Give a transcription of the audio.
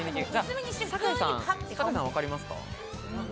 酒井さん、わかりますか？